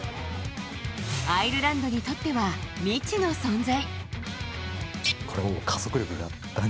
アイルランドにとっては未知の存在。